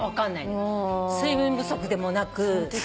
水分不足でもなく。